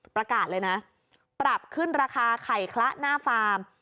ประกาศเลยนะปรับขึ้นราคาไข่คละหน้าฟาร์ม